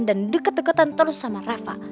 dan deket deketan terus sama reva